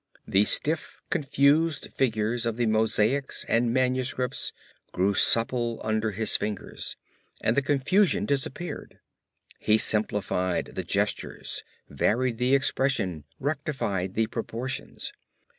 The stiff, confused figures of the mosaics and manuscripts grew supple under his fingers and the confusion disappeared. He simplified the gestures, varied the expression, rectified the proportions.